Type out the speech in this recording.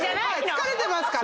疲れてますから。